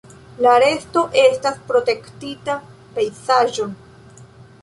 La resto estas protektita pejzaĝo.